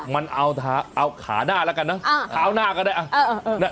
มันเอาขาหน้าแล้วกันเนาะขาหน้าก่อนเนี่ย